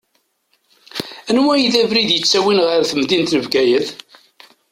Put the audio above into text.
Anwa i d abrid ittawin ɣer temdint n Bgayet?